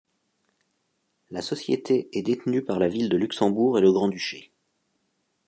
La société est détenue par la ville de Luxembourg et le grand-duché.